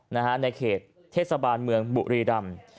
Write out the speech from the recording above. ในเขตเทศบาลเมืองบุรีรำ